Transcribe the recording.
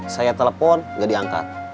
saya telepon gak diangkat